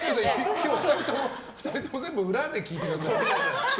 今日２人とも全部裏で聞いてください。